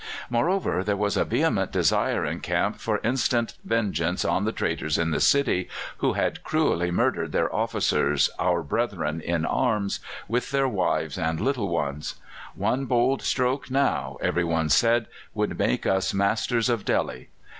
Moreover, there was a vehement desire in camp for instant vengeance on the traitors in the city, who had cruelly murdered their officers, our brethren in arms, with their wives and little ones. One bold stroke now, every one said, would make us masters of Delhi.